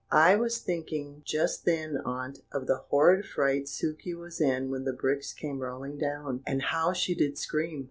I was thinking just then, aunt, of the horrid fright Sukey was in when the bricks came rolling down, and how she did scream."